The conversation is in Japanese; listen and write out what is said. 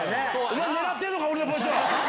狙っているのか、俺のポジション。